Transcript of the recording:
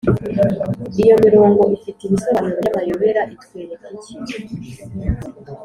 iyo mirongo ifite ibisobanuro by’amayobera itwereka iki?